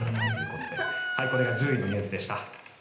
これが１０位のニュースでした。